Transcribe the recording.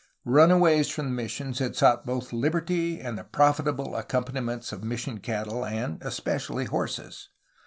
Runaways from the missions had sought both liberty and the profitable accompaniments of mission cattle and, especially, horses.